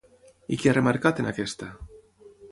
I què ha remarcat en aquesta?